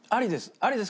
ありです。